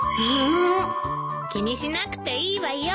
気にしなくていいわよ。